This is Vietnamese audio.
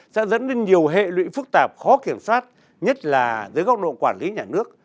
sẽ dẫn đến nhiều hệ lụy phức tạp khó kiểm soát nhất là dưới góc độ quản lý nhà nước